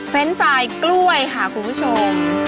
เป็นไฟล์กล้วยค่ะคุณผู้ชม